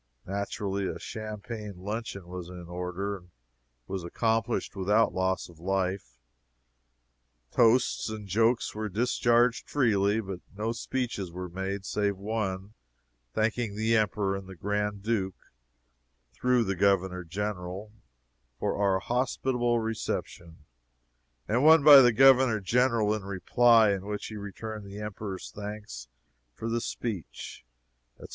Naturally, a champagne luncheon was in order, and was accomplished without loss of life. Toasts and jokes were discharged freely, but no speeches were made save one thanking the Emperor and the Grand Duke, through the Governor General, for our hospitable reception, and one by the Governor General in reply, in which he returned the Emperor's thanks for the speech, etc.